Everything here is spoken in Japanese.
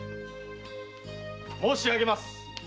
・申しあげます。